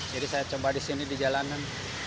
jadi saya coba di sini di jalanan